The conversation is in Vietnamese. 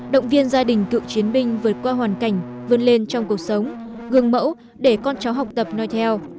động viên gia đình cựu chiến binh vượt qua hoàn cảnh vươn lên trong cuộc sống gương mẫu để con cháu học tập nói theo